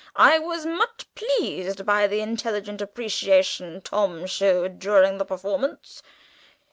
I was much pleased by the intelligent appreciation Tom showed during the performance.